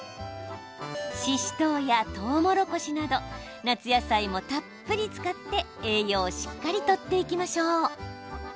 ししとうやとうもろこしなど夏野菜もたっぷり使って栄養をしっかりとっていきましょう。